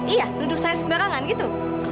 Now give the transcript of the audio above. iya duduk saya sembarangan gitu